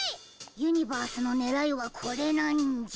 ユニバースのねらいはこれなんじゃ。